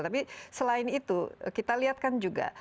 tapi selain itu kita lihatkan juga